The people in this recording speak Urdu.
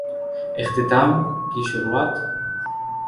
اختتام کی شروعات؟